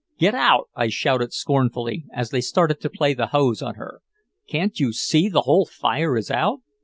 "Get out!" I shouted scornfully, as they started to play the hose on her. "Can't you see the whole fire is out?"